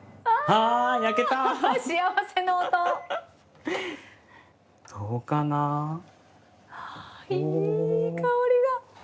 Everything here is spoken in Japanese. あいい香りが。